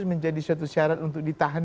menjadi suatu syarat untuk ditahan